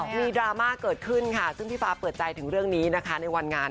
มีดราม่าเกิดขึ้นค่ะซึ่งพี่ฟ้าเปิดใจถึงเรื่องนี้นะคะในวันงาน